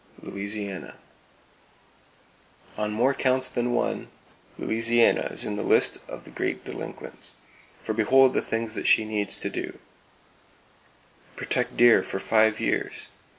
Louisiana: On more counts than one, Louisiana is in the list of Great Delinquents; for behold the things that she needs to do: Protect deer for five years.